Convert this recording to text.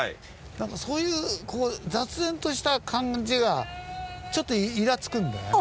なんかそういう雑然とした感じがちょっとイラつくんだよね。